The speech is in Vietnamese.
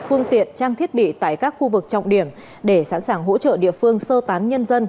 phương tiện trang thiết bị tại các khu vực trọng điểm để sẵn sàng hỗ trợ địa phương sơ tán nhân dân